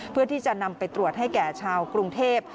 เพื่อที่จะนำไปตรวจให้แก่ชาวกรุงเทพ